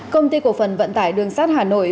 công ty cổ phần vận tải đường sắt hà nội